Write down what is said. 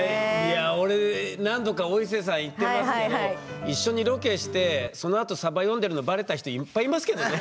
俺何度かお伊勢さん行ってますけど一緒にロケしてそのあとさば読んでるのバレた人いっぱいいますけどね。